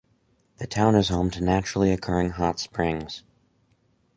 The town is home to naturally occurring hot springs.